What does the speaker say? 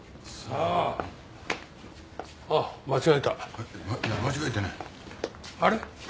あれ？